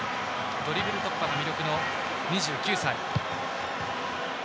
ドリブル突破が魅力の２９歳。